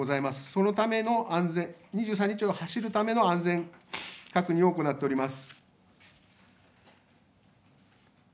そのため２３日、走るための安全確認を行っております。